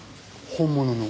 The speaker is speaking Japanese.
本物の。